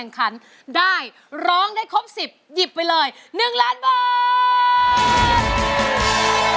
เพราะเรามาแข่งขันได้ร้องได้ครบ๑๐หยิบไปเลย๑ล้านบาท